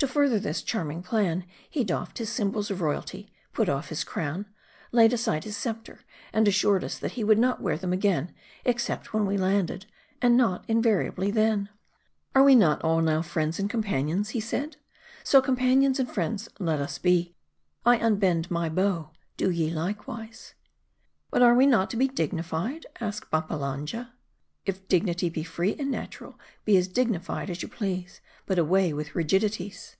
> To further this charming plan, he doffed his sym bols of royalty, put off his crown, laid aside his scepter, and assured us that he would not wear them again, except when we landed ; and not invariably, then. " Axe we not all now friends and companions ?" he said. " So companions and friends let us be. I unbend my bow ; do ye likewise." 11 But are we not to be dignified ?" asked Babbalanja. " If dignity be free and natural, be as dignified as you please ; but away with rigidities."